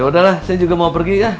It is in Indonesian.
udahlah saya juga mau pergi ya